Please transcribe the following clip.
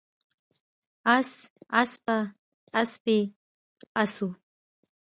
اس، اسپه، اسپې، اسپو